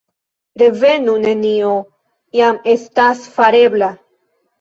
Revenu, nenio jam estas farebla!